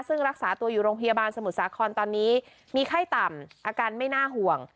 ซึ่งรักษาตัวอยู่โรงพยาบาลสมุทรสาครตอนนี้มีไข้ต่ำอาการไม่น่าห่วง